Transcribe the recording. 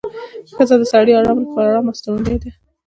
ښځه د سړي لپاره اړم او مرستندویه ده